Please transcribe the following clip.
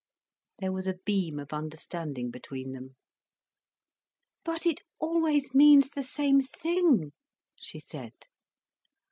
There was a beam of understanding between them. "But it always means the same thing," she said.